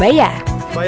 bayarnya pakai apa deh